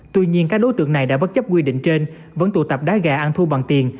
tuy nhiên các đối tượng này đã bất chấp quy định trên vẫn tụ tập đá gà ăn thu bằng tiền